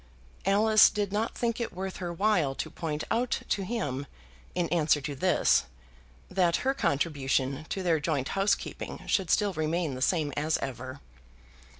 Alice did not think it worth her while to point out to him, in answer to this, that her contribution to their joint housekeeping should still remain the same as ever.